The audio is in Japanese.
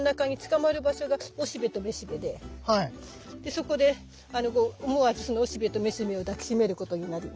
そこで思わずそのおしべとめしべを抱きしめることになるの。